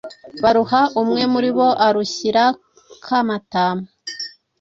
baruha umwe muri bo arushyira Kamatamu.